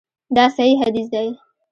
دا صحیح حدیث دی.